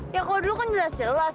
ya kalau dulu kan jelas jelas